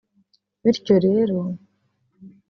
Bityo rero